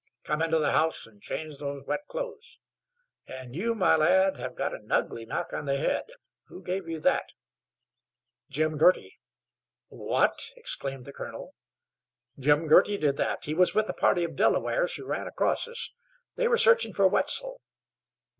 Come into the house and change those wet clothes. And you, my lad, have got an ugly knock on the head. Who gave you that?" "Jim Girty." "What?" exclaimed the colonel. "Jim Girty did that. He was with a party of Delawares who ran across us. They were searching for Wetzel."